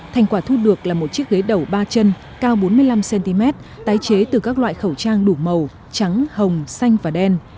thành quả thu được là một chiếc ghế đầu ba chân cao bốn mươi năm cm tái chế từ các loại khẩu trang đủ màu trắng hồng xanh và đen